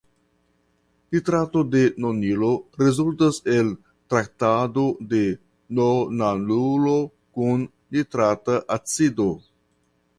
Nitrato de nonilo rezultas el traktado de nonanolo kun nitrata acido.